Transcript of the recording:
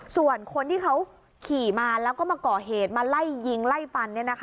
ส่วนคนที่เขาขี่มาแล้วก็มาก่อเหตุมาไล่ยิงไล่ฟัน